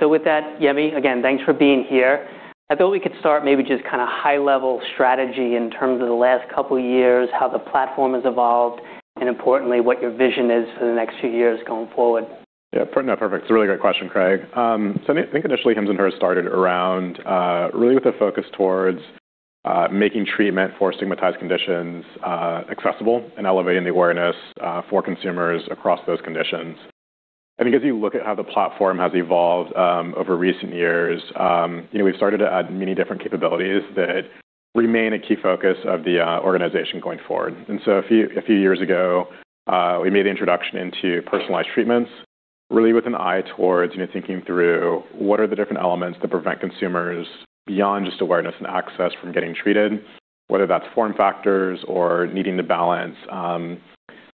With that, Yemi, again, thanks for being here. I thought we could start maybe just kind of high-level strategy in terms of the last couple years, how the platform has evolved, and importantly, what your vision is for the next few years going forward. Yeah. Perfect. It's a really great question, Craig. I think initially Hims & Hers started around really with a focus towards making treatment for stigmatized conditions accessible and elevating the awareness for consumers across those conditions. I think as you look at how the platform has evolved over recent years, you know, we've started to add many different capabilities that remain a key focus of the organization going forward. A few years ago, we made the introduction into personalized treatments, really with an eye towards, you know, thinking through what are the different elements that prevent consumers beyond just awareness and access from getting treated, whether that's form factors or needing to balance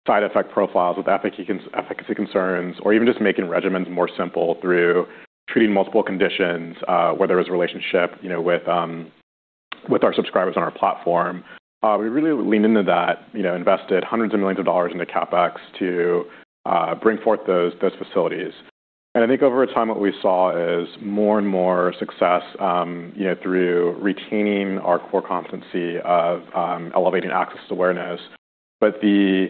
side effect profiles with efficacy concerns or even just making regimens more simple through treating multiple conditions, where there is a relationship, you know, with our subscribers on our platform. We really leaned into that, you know, invested hundreds of millions of dollars into CapEx to bring forth those facilities. I think over time, what we saw is more and more success, you know, through retaining our core competency of elevating access awareness. The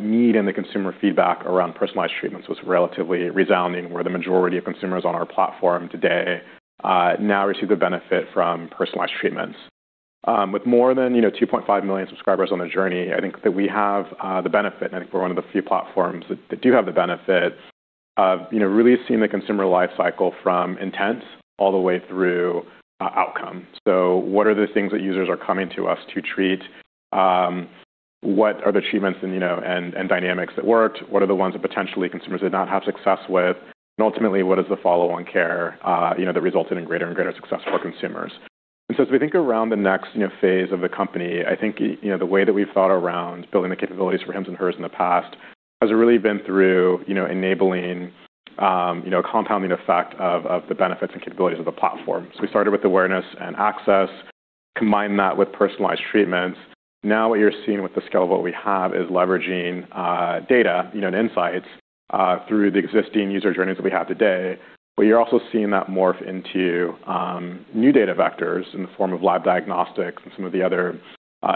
need in the consumer feedback around personalized treatments was relatively resounding, where the majority of consumers on our platform today, now receive the benefit from personalized treatments. With more than, you know, 2.5 million subscribers on the journey, I think that we have the benefit, and I think we're one of the few platforms that do have the benefit of, you know, really seeing the consumer life cycle from intent all the way through outcome. What are the things that users are coming to us to treat? What are the treatments and, you know, dynamics that worked? What are the ones that potentially consumers did not have success with? Ultimately, what is the follow-on care, you know, that resulted in greater and greater success for consumers? As we think around the next, you know, phase of the company, I think, you know, the way that we've thought around building the capabilities for Hims & Hers in the past has really been through, you know, enabling, you know, compounding effect of the benefits and capabilities of the platform. We started with awareness and access, combined that with personalized treatments. Now what you're seeing with the scale of what we have is leveraging data, you know, and insights through the existing user journeys that we have today. You're also seeing that morph into new data vectors in the form of lab diagnostics and some of the other,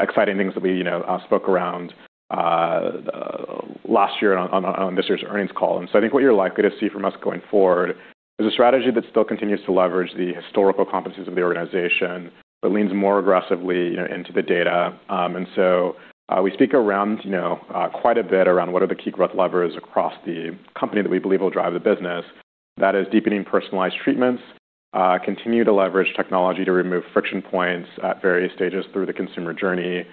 exciting things that we, you know, spoke around last year on this year's earnings call. I think what you're likely to see from us going forward is a strategy that still continues to leverage the historical competencies of the organization, but leans more aggressively, you know, into the data. We speak around, you know, quite a bit around what are the key growth levers across the company that we believe will drive the business. That is deepening personalized treatments, continue to leverage technology to remove friction points at various stages through the consumer journey,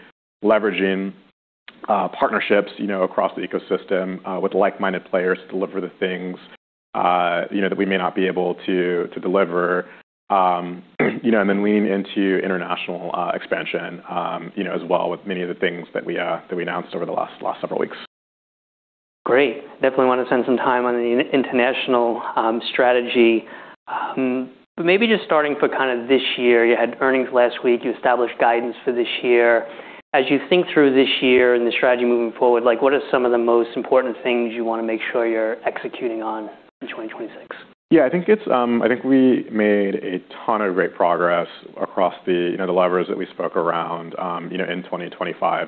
leveraging partnerships, you know, across the ecosystem, with like-minded players to deliver the things, you know, that we may not be able to deliver, you know, and then lean into international expansion, you know, as well with many of the things that we that we announced over the last several weeks. Great. Definitely wanna spend some time on the international strategy. Maybe just starting for kind of this year, you had earnings last week, you established guidance for this year. As you think through this year and the strategy moving forward, like, what are some of the most important things you wanna make sure you're executing on in 2026? Yeah, I think it's, I think we made a ton of great progress across the, you know, the levers that we spoke around, you know, in 2025.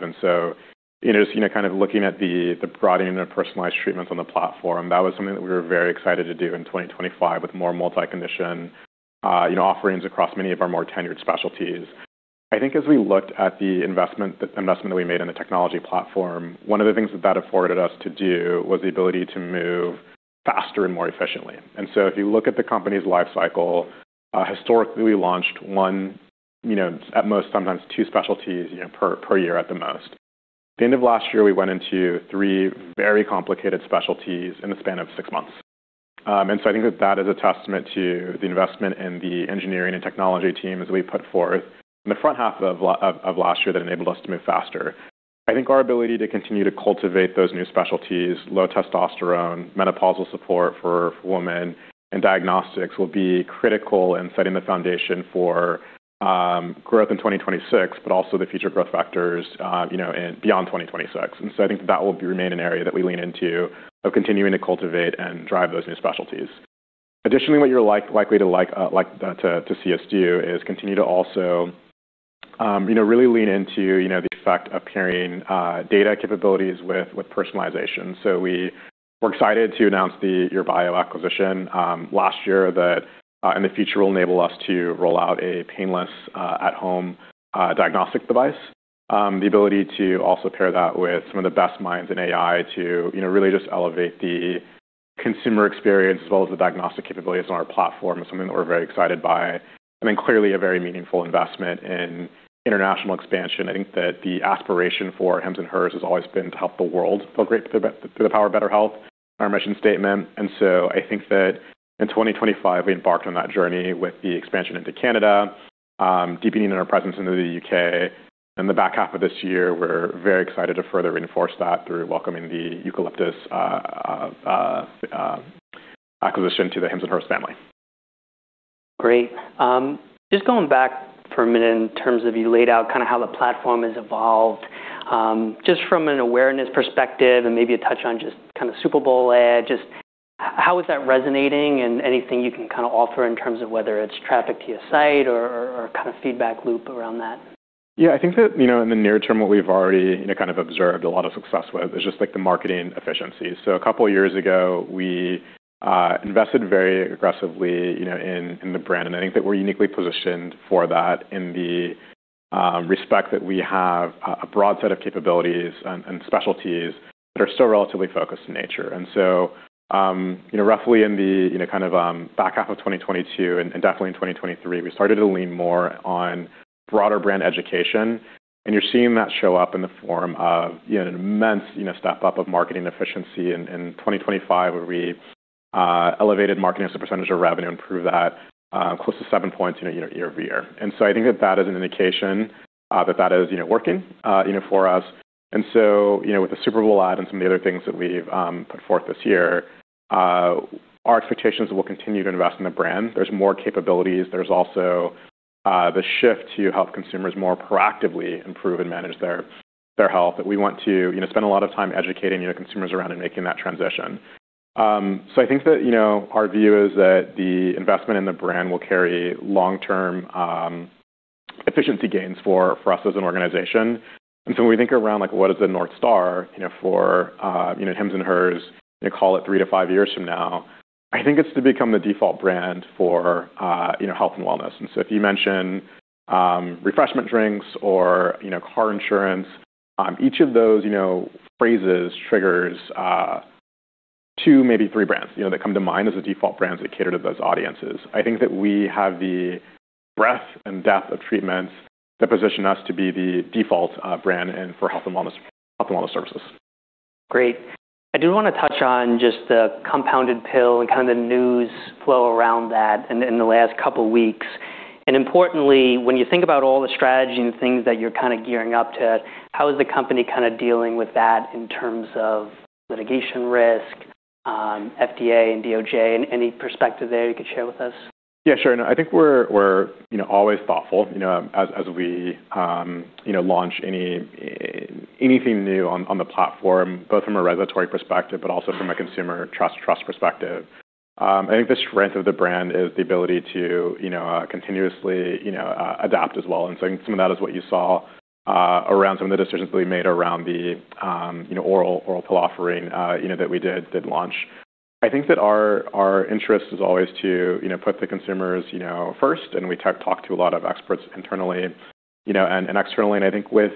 You know, just, you know, kind of looking at the broadening of personalized treatments on the platform, that was something that we were very excited to do in 2025 with more multi-condition, you know, offerings across many of our more tenured specialties. I think as we looked at the investment that we made in the technology platform, one of the things that that afforded us to do was the ability to move faster and more efficiently. If you look at the company's life cycle, historically, we launched one, you know, at most, sometimes two specialties, you know, per year at the most. The end of last year, we went into three very complicated specialties in the span of six months. I think that that is a testament to the investment in the engineering and technology teams we put forth in the front half of last year that enabled us to move faster. I think our ability to continue to cultivate those new specialties, low testosterone, menopausal support for women, and diagnostics will be critical in setting the foundation for growth in 2026, but also the future growth factors, you know, in beyond 2026. I think that will be remain an area that we lean into of continuing to cultivate and drive those new specialties. Additionally, what you're likely to like to see us do is continue to also, you know, really lean into, you know, the effect of pairing data capabilities with personalization. We're excited to announce the YourBio Health acquisition last year that in the future, will enable us to roll out a painless, at-home diagnostic device. The ability to also pair that with some of the best minds in AI to, you know, really just elevate the consumer experience as well as the diagnostic capabilities on our platform is something that we're very excited by. Clearly a very meaningful investment in international expansion. I think that the aspiration for Hims & Hers has always been to help the world feel great through the power of better health, our mission statement. I think that in 2025, we embarked on that journey with the expansion into Canada, deepening our presence into the U.K. In the back half of this year, we're very excited to further reinforce that through welcoming the Eucalyptus acquisition to the Hims & Hers family. Great. Just going back for a minute in terms of you laid out kind of how the platform has evolved, just from an awareness perspective and maybe a touch on just kind of Super Bowl ad, just how is that resonating and anything you can kind of offer in terms of whether it's traffic to your site or kind of feedback loop around that? Yeah. I think that, you know, in the near term, what we've already, you know, kind of observed a lot of success with is just, like, the marketing efficiency. A couple years ago, we invested very aggressively, you know, in the brand. I think that we're uniquely positioned for that in the respect that we have a broad set of capabilities and specialties that are still relatively focused in nature. Roughly in the, you know, kind of, back half of 2022 and definitely in 2023, we started to lean more on broader brand education, and you're seeing that show up in the form of, you know, an immense, you know, step-up of marketing efficiency in 2025, where we elevated marketing as a percentage of revenue and improved that close to 7 points, you know, year-over-year. I think that that is an indication that that is, you know, working, you know, for us. You know, with the Super Bowl ad and some of the other things that we've put forth this year, our expectations will continue to invest in the brand. There's more capabilities. There's also the shift to help consumers more proactively improve and manage their health, that we want to, you know, spend a lot of time educating, you know, consumers around and making that transition. I think that, you know, our view is that the investment in the brand will carry long-term efficiency gains for us as an organization. When we think around, like, what is the North Star, you know, for Hims & Hers, you know, call it three to five years from now, I think it's to become the default brand for, you know, health and wellness. If you mention, refreshment drinks or, you know, car insurance, each of those, you know, phrases triggers, two, maybe three brands, you know, that come to mind as the default brands that cater to those audiences. I think that we have the breadth and depth of treatments that position us to be the default brand and for health and wellness, health and wellness services. Great. I do wanna touch on just the compounded pill and kind of the news flow around that in the last couple weeks. Importantly, when you think about all the strategy and things that you're kinda gearing up to, how is the company kinda dealing with that in terms of litigation risk, FDA and DOJ? Any perspective there you could share with us? Yeah, sure. No, I think we're, you know, always thoughtful, you know, as we, you know, launch anything new on the platform, both from a regulatory perspective, but also from a consumer trust perspective. I think the strength of the brand is the ability to, you know, continuously, you know, adapt as well. I think some of that is what you saw around some of the decisions that we made around the, you know, oral pill offering, you know, that we did launch. I think that our interest is always to, you know, put the consumers, you know, first, and we talk to a lot of experts internally, you know, and externally. I think with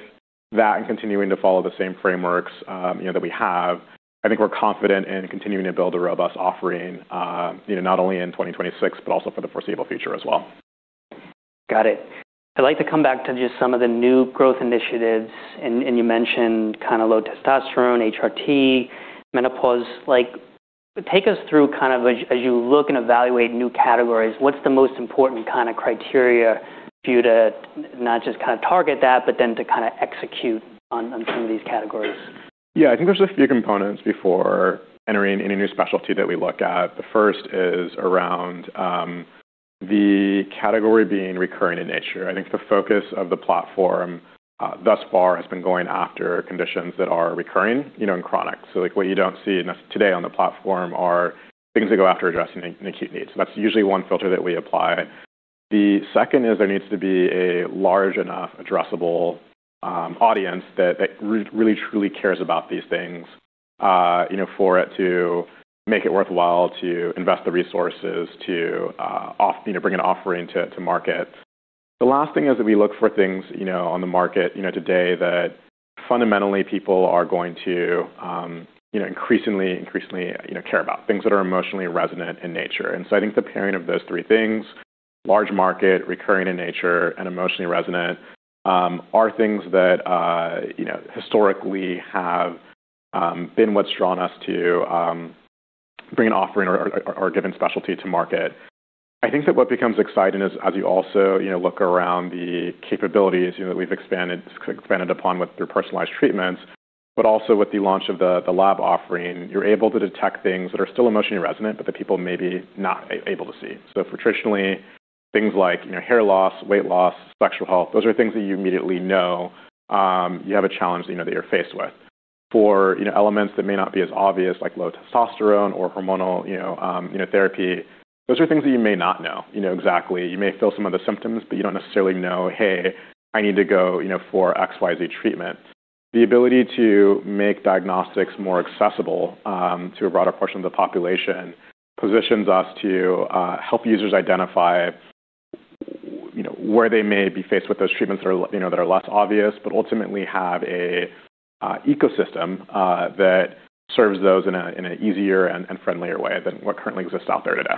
that and continuing to follow the same frameworks, you know, that we have, I think we're confident in continuing to build a robust offering, you know, not only in 2026, but also for the foreseeable future as well. Got it. I'd like to come back to just some of the new growth initiatives. You mentioned kinda low testosterone, HRT, menopause. Take us through kind of as you look and evaluate new categories, what's the most important kinda criteria for you to not just kinda target that, but then to kinda execute on some of these categories? Yeah. I think there's a few components before entering any new specialty that we look at. The first is around the category being recurring in nature. I think the focus of the platform thus far has been going after conditions that are recurring, you know, and chronic. Like, what you don't see today on the platform are things that go after addressing acute needs. That's usually one filter that we apply. The second is there needs to be a large enough addressable audience that really truly cares about these things, you know, for it to make it worthwhile to invest the resources to, you know, bring an offering to market. The last thing is that we look for things, you know, on the market, you know, today that fundamentally people are going to, you know, increasingly, you know, care about, things that are emotionally resonant in nature. I think the pairing of those three things, large market, recurring in nature, and emotionally resonant, are things that, you know, historically have been what's drawn us to bring an offering or give a specialty to market. I think that what becomes exciting is as you also, you know, look around the capabilities, you know, that we've expanded upon with through personalized treatments, but also with the launch of the lab offering, you're able to detect things that are still emotionally resonant, but that people may be not able to see. For traditionally things like, you know, hair loss, weight loss, sexual health, those are things that you immediately know, you have a challenge, you know, that you're faced with. For, you know, elements that may not be as obvious, like low testosterone or hormonal, you know, therapy, those are things that you may not know, you know, exactly. You may feel some of the symptoms, but you don't necessarily know, "Hey, I need to go, you know, for XYZ treatment." The ability to make diagnostics more accessible, to a broader portion of the population positions us to help users identify, you know, where they may be faced with those treatments that are, you know, that are less obvious, but ultimately have an ecosystem that serves those in an easier and friendlier way than what currently exists out there today.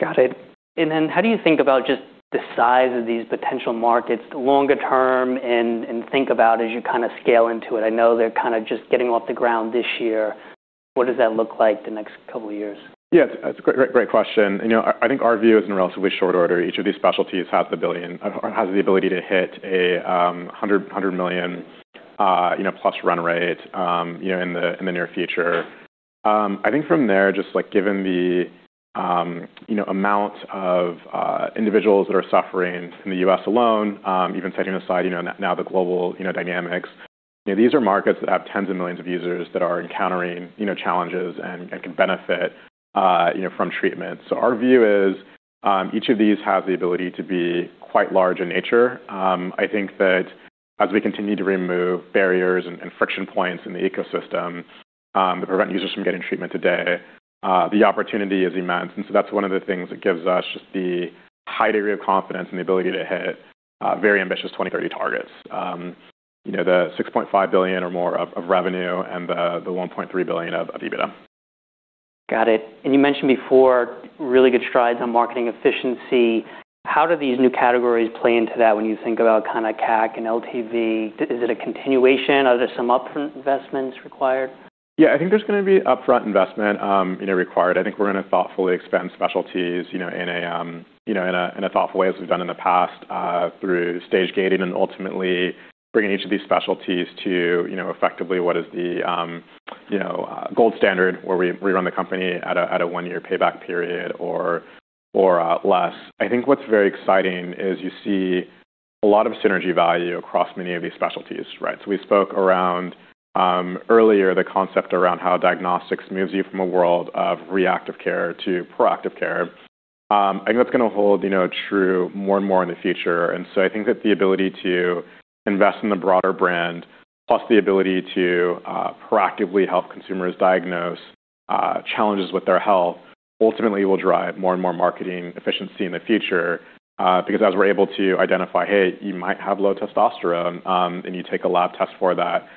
Got it. How do you think about just the size of these potential markets longer term and think about as you kinda scale into it? I know they're kinda just getting off the ground this year. What does that look like the next couple years? Yeah. It's a great question. You know, I think our view is in relatively short order. Each of these specialties has the ability to hit a $100 million+ run rate, you know, in the near future. I think from there, just like given the, you know, amount of individuals that are suffering in the U.S. alone, even setting aside, you know, now the global, you know, dynamics, you know, these are markets that have tens of millions of users that are encountering, you know, challenges and can benefit, you know, from treatment. Our view is, each of these have the ability to be quite large in nature. I think that as we continue to remove barriers and friction points in the ecosystem that prevent users from getting treatment today, the opportunity is immense. That's one of the things that gives us just the high degree of confidence and the ability to hit very ambitious 2030 targets. You know, the $6.5 billion or more of revenue and the $1.3 billion of EBITDA. Got it. You mentioned before really good strides on marketing efficiency. How do these new categories play into that when you think about kind of CAC and LTV? Is it a continuation? Are there some upfront investments required? Yeah. I think there's gonna be upfront investment, you know, required. I think we're gonna thoughtfully expand specialties, you know, in a, you know, in a, in a thoughtful way as we've done in the past, through stage gating and ultimately bringing each of these specialties to, you know, effectively what is the, you know, gold standard where we run the company at a one-year payback period or less. I think what's very exciting is you see a lot of synergy value across many of these specialties, right? we spoke around earlier the concept around how diagnostics moves you from a world of reactive care to proactive care. I think that's gonna hold, you know, true more and more in the future. I think that the ability to invest in the broader brand, plus the ability to proactively help consumers diagnose challenges with their health ultimately will drive more and more marketing efficiency in the future because as we're able to identify, "Hey, you might have low testosterone, and you take a lab test for that,"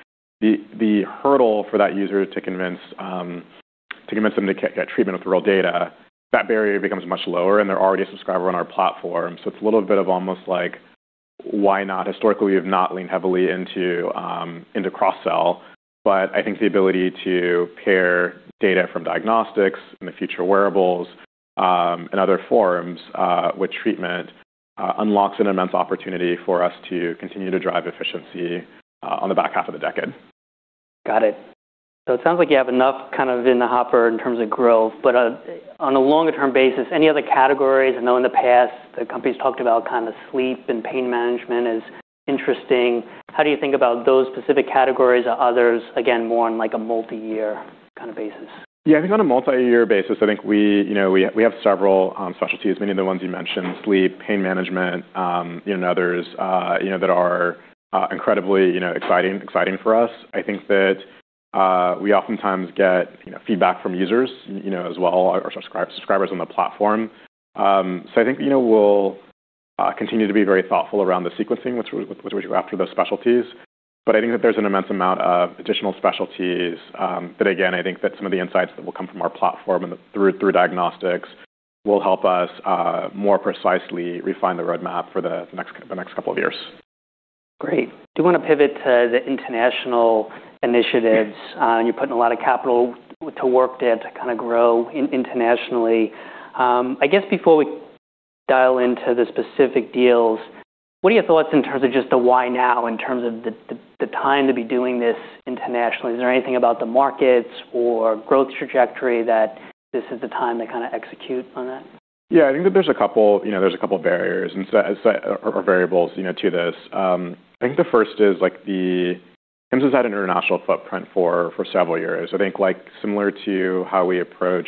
the hurdle for that user to convince them to get treatment with real data, that barrier becomes much lower, and they're already a subscriber on our platform. It's a little bit of almost like, why not? Historically, we have not leaned heavily into into cross-sell, but I think the ability to pair data from diagnostics in the future wearables, and other forums, with treatment, unlocks an immense opportunity for us to continue to drive efficiency on the back half of the decade. Got it. It sounds like you have enough kind of in the hopper in terms of growth. On a longer-term basis, any other categories? I know in the past, the company's talked about kind of sleep and pain management as interesting. How do you think about those specific categories or others, again, more on like a multi-year kind of basis? I think on a multi-year basis, I think we, you know, we have several specialties, many of the ones you mentioned, sleep, pain management, you know, and others, you know, that are incredibly, you know, exciting for us. I think that we oftentimes get, you know, feedback from users, you know, as well, our subscribers on the platform. I think, you know, we'll continue to be very thoughtful around the sequencing which we go after those specialties. I think that there's an immense amount of additional specialties that again, I think that some of the insights that will come from our platform and through diagnostics will help us more precisely refine the roadmap for the next couple of years. Great. Do want to pivot to the international initiatives. You're putting a lot of capital to work there to kinda grow internationally. I guess before we dial into the specific deals, what are your thoughts in terms of just the why now in terms of the time to be doing this internationally? Is there anything about the markets or growth trajectory that this is the time to kinda execute on that? I think that there's a couple, you know, there's a couple of barriers and set or variables, you know, to this. I think the first is like Hims has had an international footprint for several years. I think, like, similar to how we approach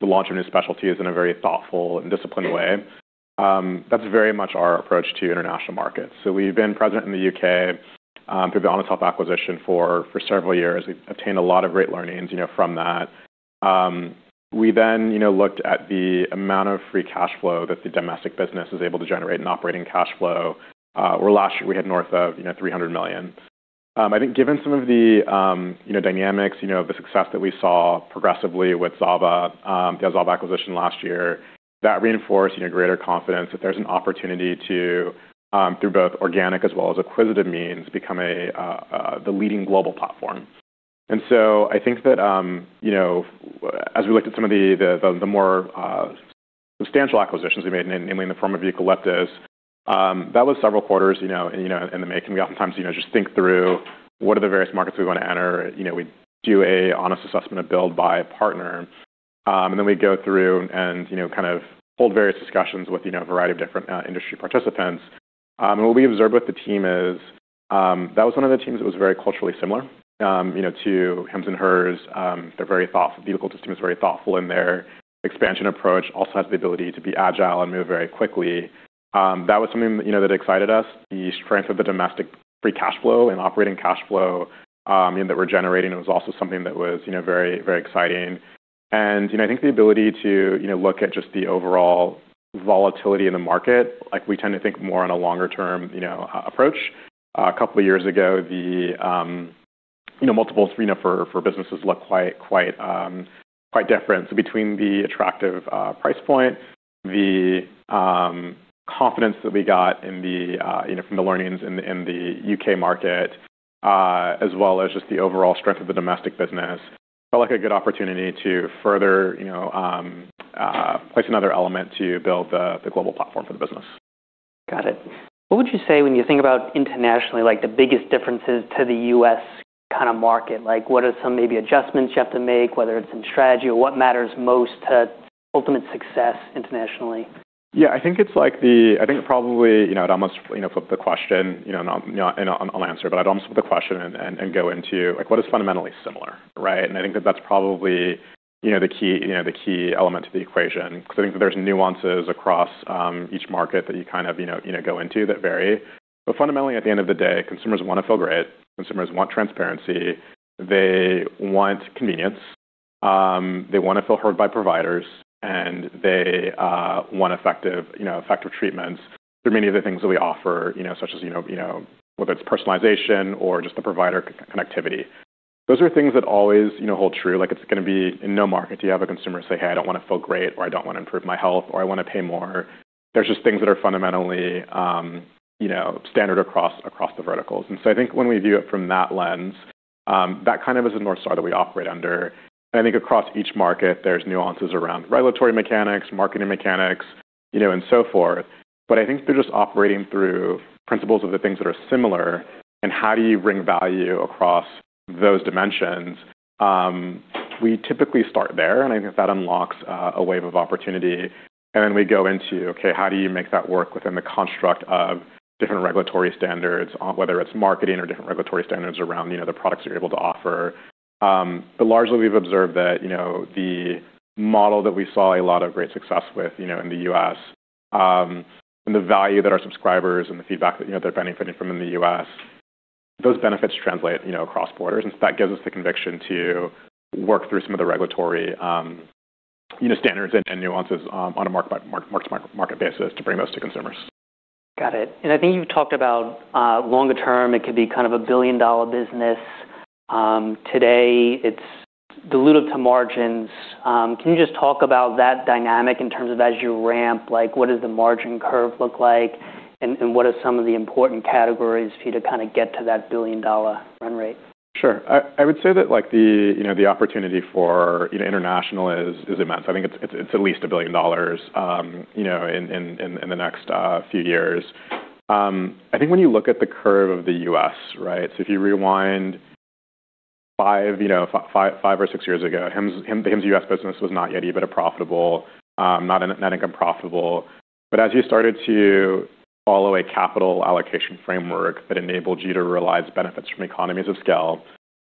the launch of new specialties in a very thoughtful and disciplined way, that's very much our approach to international markets. We've been present in the U.K., through the Honest Health acquisition for several years. We've obtained a lot of great learnings, you know, from that. We then, you know, looked at the amount of free cash flow that the domestic business was able to generate in operating cash flow, where last year we had north of, you know, $300 million. I think given some of the, you know, dynamics, you know, of the success that we saw progressively with Zava, the Zava acquisition last year, that reinforced, you know, greater confidence that there's an opportunity to, through both organic as well as acquisitive means, become a, the leading global platform. I think that, you know, as we looked at some of the more substantial acquisitions we made, namely in the form of Eucalyptus, that was several quarters, you know, in the making. We oftentimes, you know, just think through what are the various markets we wanna enter. You know, we do a honest assessment of build by partner, and then we go through and, you know, kind of hold various discussions with, you know, a variety of different industry participants. What we observed with the team is, that was one of the teams that was very culturally similar, you know, to Hims & Hers. They're very thoughtful. Eucalyptus team is very thoughtful in their expansion approach, also has the ability to be agile and move very quickly. That was something, you know, that excited us. The strength of the domestic free cash flow and operating cash flow, you know, that we're generating was also something that was, you know, very exciting. You know, I think the ability to, you know, look at just the overall volatility in the market, like we tend to think more on a longer-term, you know, approach. A couple of years ago, the, you know, multiples, you know, for businesses look quite different. Between the attractive, price point, the confidence that we got in the, you know, from the learnings in the, in the U.K. market, as well as just the overall strength of the domestic business Felt like a good opportunity to further, you know, place another element to build the global platform for the business. Got it. What would you say when you think about internationally, like, the biggest differences to the U.S. kinda market? Like, what are some maybe adjustments you have to make, whether it's in strategy or what matters most to ultimate success internationally? Yeah, I think it's like the I think probably, you know, I'd almost, you know, flip the question, you know, and I'll answer, but I'd almost flip the question and go into, like, what is fundamentally similar, right? I think that that's probably, you know, the key, you know, the key element to the equation, 'cause I think that there's nuances across each market that you kind of, you know, go into that vary. Fundamentally, at the end of the day, consumers wanna feel great, consumers want transparency, they want convenience, they wanna feel heard by providers, and they want effective, you know, effective treatments through many of the things that we offer, you know, such as, you know, whether it's personalization or just the provider connectivity. Those are things that always, you know, hold true. Like, it's gonna be in no market do you have a consumer say, "Hey, I don't wanna feel great," or, "I don't wanna improve my health," or, "I wanna pay more." There's just things that are fundamentally, you know, standard across the verticals. I think when we view it from that lens, that kind of is the North Star that we operate under. I think across each market, there's nuances around regulatory mechanics, marketing mechanics, you know, and so forth. I think they're just operating through principles of the things that are similar and how do you bring value across those dimensions. We typically start there, and I think that unlocks a wave of opportunity. Then we go into, okay, how do you make that work within the construct of different regulatory standards, whether it's marketing or different regulatory standards around, you know, the products you're able to offer. Largely we've observed that, you know, the model that we saw a lot of great success with, you know, in the U.S., and the value that our subscribers and the feedback that, you know, they're benefiting from in the U.S., those benefits translate, you know, across borders, that gives us the conviction to work through some of the regulatory, you know, standards and nuances, on a market basis to bring those to consumers. Got it. I think you've talked about longer term it could be kind of a billion-dollar business. Today it's dilutive to margins. Can you just talk about that dynamic in terms of as you ramp, like what does the margin curve look like, and what are some of the important categories for you to kinda get to that billion-dollar run rate? Sure. I would say that, like, the, you know, the opportunity for, you know, international is immense. I think it's at least $1 billion, you know, in the next few years. I think when you look at the curve of the U.S., right? If you rewind 5, you know, five or six years ago, Hims, the Hims U.S. business was not yet EBITDA profitable, not net income profitable. As you started to follow a capital allocation framework that enabled you to realize benefits from economies of scale,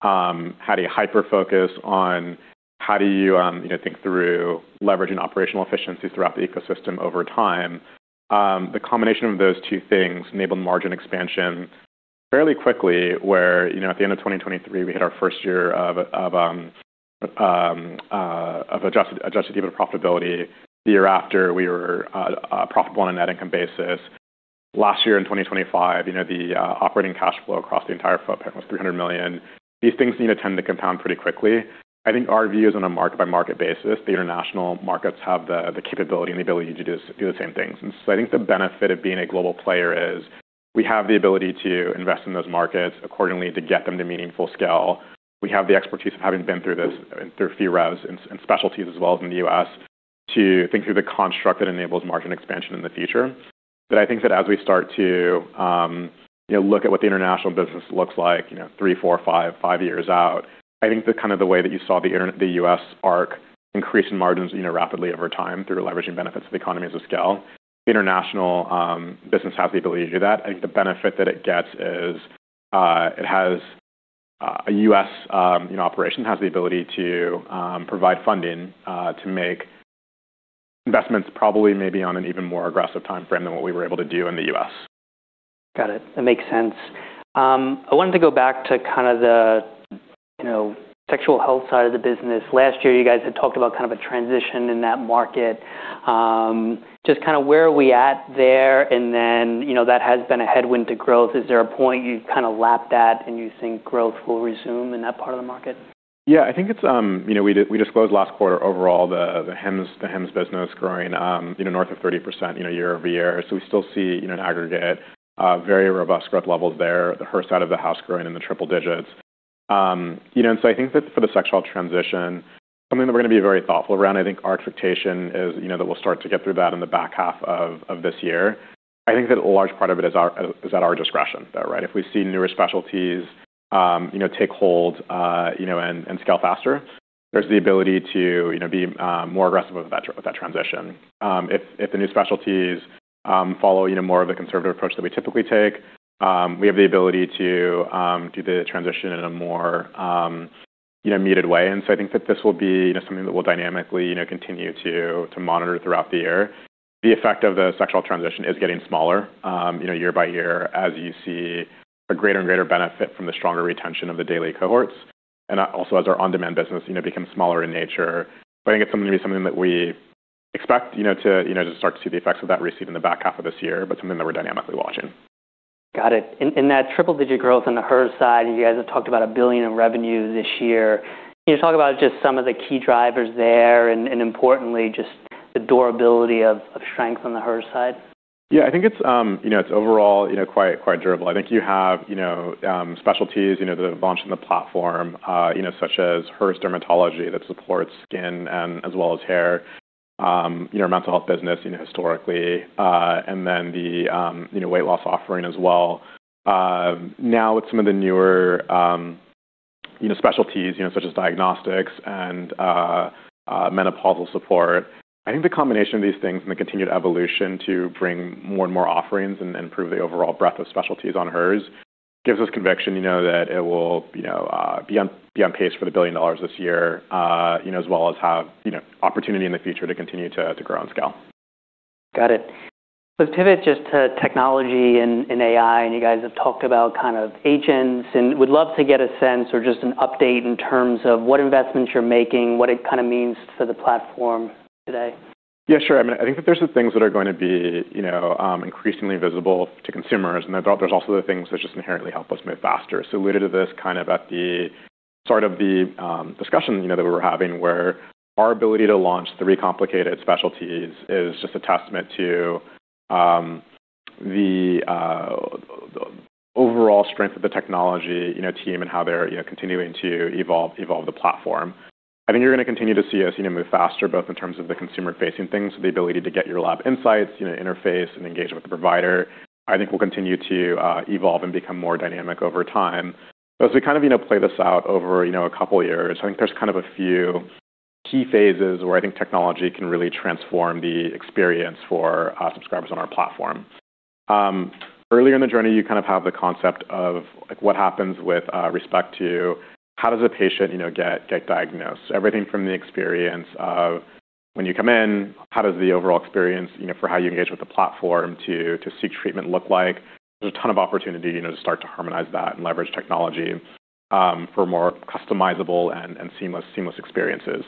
had a hyper-focus on how do you know, think through leveraging operational efficiencies throughout the ecosystem over time, the combination of those two things enabled margin expansion fairly quickly, where, you know, at the end of 2023 we hit our first year of Adjusted EBITDA profitability. The year after, we were profitable on a net income basis. Last year in 2025, you know, the operating cash flow across the entire footprint was $300 million. These things, you know, tend to compound pretty quickly. I think our view is on a market by market basis. The international markets have the capability and the ability to do the same things. I think the benefit of being a global player is we have the ability to invest in those markets accordingly to get them to meaningful scale. We have the expertise of having been through this through For Hers and specialties as well as in the U.S. to think through the construct that enables margin expansion in the future. I think that as we start to, you know, look at what the international business looks like, you know, three, four, five years out, I think the kind of the way that you saw the U.S. arc increase in margins, you know, rapidly over time through leveraging benefits of the economies of scale. International business has the ability to do that. I think the benefit that it gets is, it has a U.S., you know, operation has the ability to provide funding to make investments probably maybe on an even more aggressive timeframe than what we were able to do in the U.S. Got it. That makes sense. I wanted to go back to kinda the, you know, sexual health side of the business. Last year, you guys had talked about kind of a transition in that market. Just kinda where are we at there? You know, that has been a headwind to growth. Is there a point you've kinda lapped that and you think growth will resume in that part of the market? I think it's, you know, we disclosed last quarter overall the Hims, the Hims business growing, you know, north of 30%, you know, year-over-year. We still see, you know, in aggregate, very robust growth levels there, the Hers side of the house growing in the triple digits. You know, I think that for the sexual transition, something that we're gonna be very thoughtful around, I think our expectation is, you know, that we'll start to get through that in the back half of this year. I think that a large part of it is at our discretion, though, right? If we see newer specialties, you know, take hold, you know, and scale faster, there's the ability to, you know, be more aggressive with that, with that transition. If the new specialties follow, you know, more of the conservative approach that we typically take, we have the ability to do the transition in a more, you know, muted way. I think that this will be, you know, something that we'll dynamically, you know, continue to monitor throughout the year. The effect of the sexual transition is getting smaller, you know, year by year as you see a greater and greater benefit from the stronger retention of the daily cohorts, also as our on-demand business, you know, becomes smaller in nature. I think it's going to be something that we expect, you know, to, you know, to start to see the effects of that receive in the back half of this year, but something that we're dynamically watching. Got it. In that triple-digit growth on the Hers side, you guys have talked about $1 billion in revenue this year. Can you talk about just some of the key drivers there and importantly, just the durability of strength on the Hers side? Yeah, I think it's, you know, it's overall, you know, quite durable. I think you have, you know, specialties, you know, that have launched in the platform, you know, such as Hers dermatology that supports skin and as well as hair, you know, mental health business, you know, historically, and then the, you know, weight loss offering as well. Now with some of the newer, you know, specialties, you know, such as diagnostics and menopausal support, I think the combination of these things and the continued evolution to bring more and more offerings and improve the overall breadth of specialties on Hers gives us conviction, you know, that it will, you know, be on pace for the $1 billion this year, you know, as well as have, you know, opportunity in the future to continue to grow on scale. Got it. Pivot just to technology and AI, and you guys have talked about kind of agents, and would love to get a sense or just an update in terms of what investments you're making, what it kind of means for the platform today. Yeah, sure. I mean, I think that there's some things that are going to be, you know, increasingly visible to consumers, and I thought there's also the things that just inherently help us move faster. Alluded to this kind of at the start of the, discussion, you know, that we were having, where our ability to launch three complicated specialties is just a testament to, the overall strength of the technology, you know, team and how they're, you know, continuing to evolve the platform. I think you're gonna continue to see us, you know, move faster, both in terms of the consumer-facing things, the ability to get your lab insights, you know, interface, and engage with the provider, I think will continue to evolve and become more dynamic over time. As we kind of, you know, play this out over, you know, a couple of years, I think there's kind of a few key phases where I think technology can really transform the experience for subscribers on our platform. Earlier in the journey, you kind of have the concept of, like, what happens with respect to how does a patient, you know, get diagnosed. Everything from the experience of when you come in, how does the overall experience, you know, for how you engage with the platform to seek treatment look like. There's a ton of opportunity, you know, to start to harmonize that and leverage technology for more customizable and seamless experiences.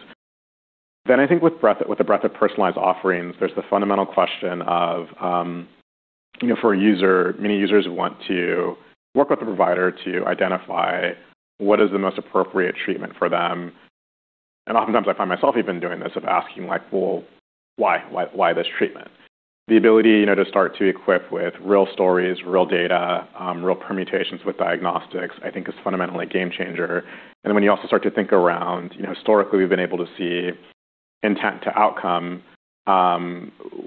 I think with the breadth of personalized offerings, there's the fundamental question of, you know, for a user, many users want to work with the provider to identify what is the most appropriate treatment for them. Oftentimes I find myself even doing this of asking like, well, why this treatment? The ability, you know, to start to equip with real stories, real data, real permutations with diagnostics, I think is fundamentally a game changer. When you also start to think around, you know, historically, we've been able to see intent to outcome,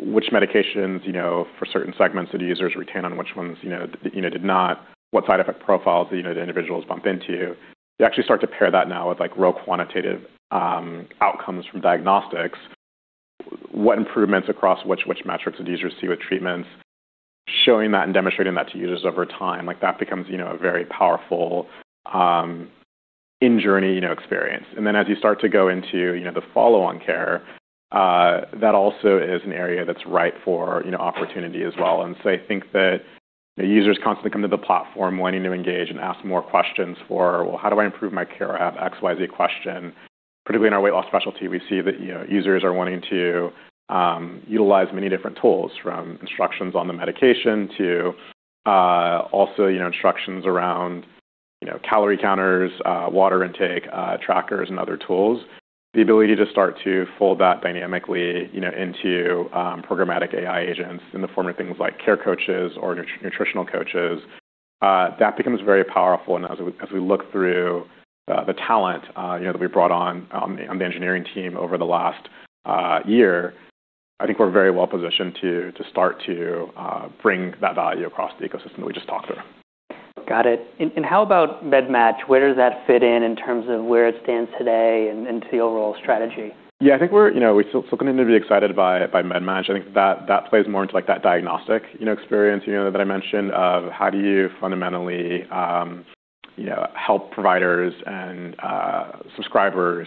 which medications, you know, for certain segments that users retain on which ones, you know, did not, what side effect profiles, you know, the individuals bump into. You actually start to pair that now with, like, real quantitative outcomes from diagnostics. What improvements across which metrics did users see with treatments, showing that and demonstrating that to users over time, like that becomes, you know, a very powerful, in-journey, you know, experience. Then as you start to go into, you know, the follow-on care, that also is an area that's ripe for, you know, opportunity as well. I think that the users constantly come to the platform wanting to engage and ask more questions for, well, how do I improve my care? I have XYZ question. Particularly in our weight loss specialty, we see that, you know, users are wanting to utilize many different tools, from instructions on the medication to also, you know, instructions around, you know, calorie counters, water intake, trackers, and other tools. The ability to start to fold that dynamically, you know, into programmatic AI agents in the form of things like care coaches or nutritional coaches, that becomes very powerful. As we look through the talent, you know, that we brought on on the engineering team over the last year, I think we're very well positioned to start to bring that value across the ecosystem that we just talked through. Got it. How about MedMatch? Where does that fit in in terms of where it stands today and to the overall strategy? I think you know, we still continue to be excited by MedMatch. I think that plays more into, like, that diagnostic, you know, experience, you know, that I mentioned of how do you fundamentally, you know, help providers and subscribers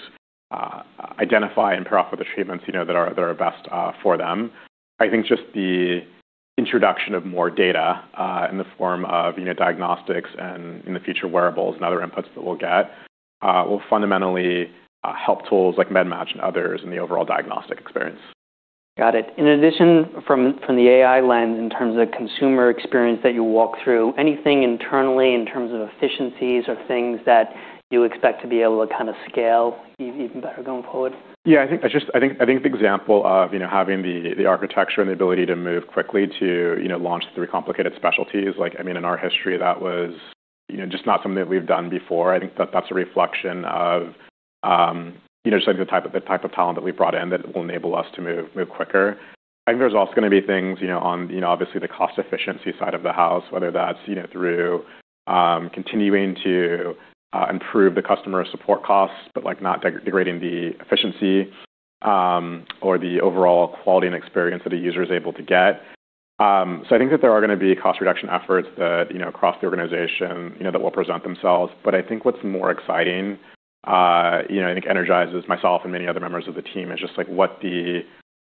identify and pair up with the treatments, you know, that are best for them. I think just the introduction of more data, in the form of, you know, diagnostics and in the future wearables and other inputs that we'll get, will fundamentally help tools like MedMatch and others in the overall diagnostic experience. Got it. In addition from the AI lens, in terms of consumer experience that you walk through, anything internally in terms of efficiencies or things that you expect to be able to kind of scale even better going forward? Yeah. I think, I think the example of, you know, having the architecture and the ability to move quickly to, you know, launch three complicated specialties, like, I mean, in our history, that was, you know, just not something that we've done before. I think that that's a reflection of, you know, just the type of, the type of talent that we brought in that will enable us to move quicker. I think there's also gonna be things, you know, on, you know, obviously the cost efficiency side of the house, whether that's, you know, through continuing to improve the customer support costs, but, like, not degrading the efficiency, or the overall quality and experience that a user is able to get. I think that there are gonna be cost reduction efforts that, you know, across the organization, you know, that will present themselves. I think what's more exciting, you know, I think energizes myself and many other members of the team, is just, like, what the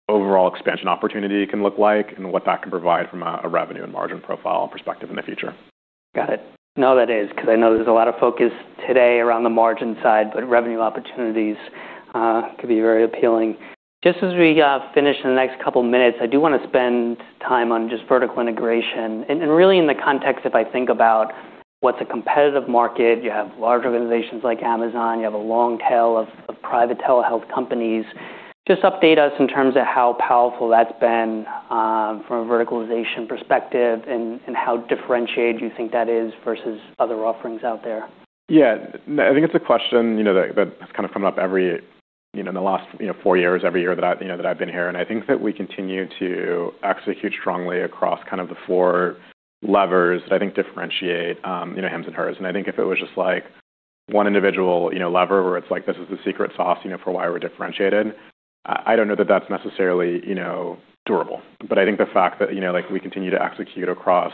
overall expansion opportunity can look like and what that can provide from a revenue and margin profile perspective in the future. Got it. No, that is, 'cause I know there's a lot of focus today around the margin side, but revenue opportunities could be very appealing. Just as we finish in the next couple minutes, I do wanna spend time on just vertical integration. Really in the context, if I think about what's a competitive market? You have large organizations like Amazon. You have a long tail of private telehealth companies. Just update us in terms of how powerful that's been from a verticalization perspective and how differentiated you think that is versus other offerings out there. Yeah. No, I think it's a question, you know, that's kinda come up every, you know, in the last, you know, four years, every year that I've, you know, that I've been here, and I think that we continue to execute strongly across kind of the four levers that I think differentiate, you know, Hims & Hers. I think if it was just, like, one individual, you know, lever where it's like this is the secret sauce, you know, for why we're differentiated, I don't know that that's necessarily, you know, durable. I think the fact that, you know, like, we continue to execute across,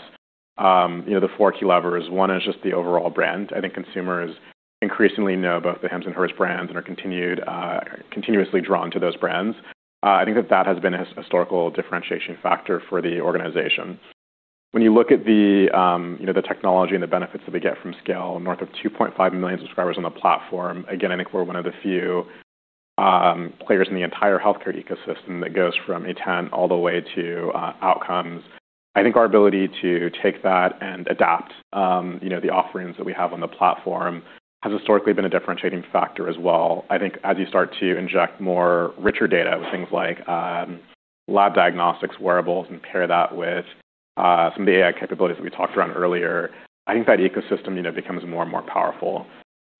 you know, the four key levers, one is just the overall brand. I think consumers increasingly know about the Hims & Hers brands and are continuously drawn to those brands. I think that that has been a historical differentiation factor for the organization. When you look at, you know, the technology and the benefits that we get from scale, north of 2.5 million subscribers on the platform, I think we're one of the few players in the entire healthcare ecosystem that goes from intent all the way to outcomes. I think our ability to take that and adapt, you know, the offerings that we have on the platform has historically been a differentiating factor as well. I think as you start to inject more richer data with things like lab diagnostics, wearables, and pair that with some of the AI capabilities that we talked around earlier, I think that ecosystem, you know, becomes more and more powerful.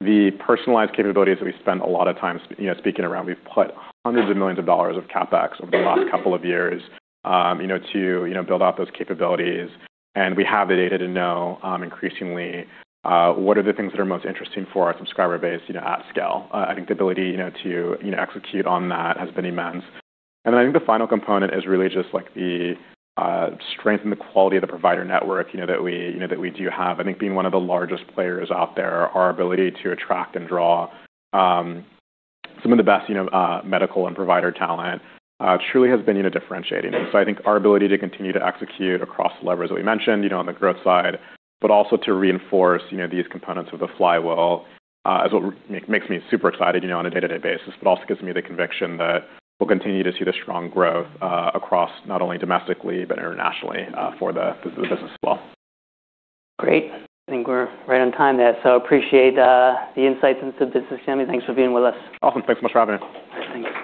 The personalized capabilities that we spend a lot of time, you know, speaking around, we've put hundreds of millions of dollars of CapEx over the last couple of years, you know, to, you know, build out those capabilities, and we have the data to know, increasingly, what are the things that are most interesting for our subscriber base, you know, at scale. I think the ability, you know, to, you know, execute on that has been immense. I think the final component is really just, like, the strength and the quality of the provider network, you know, that we, you know, that we do have. I think being one of the largest players out there, our ability to attract and draw some of the best, you know, medical and provider talent truly has been, you know, differentiating. I think our ability to continue to execute across levers that we mentioned, you know, on the growth side, but also to reinforce, you know, these components of the flywheel, is what makes me super excited, you know, on a day-to-day basis, but also gives me the conviction that we'll continue to see the strong growth across not only domestically, but internationally, for the business as well. Great. I think we're right on time there, appreciate the insights into the business, Yemi. Thanks for being with us. Awesome. Thanks so much for having me. Thank you.